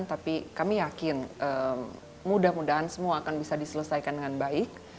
tapi kami yakin mudah mudahan semua akan bisa diselesaikan dengan baik